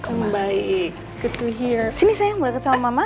sini sayang berdekat sama mama